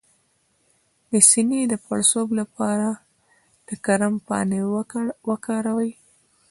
د سینې د پړسوب لپاره د کرم پاڼې وکاروئ